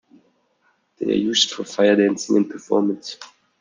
They are used for fire dancing and performance.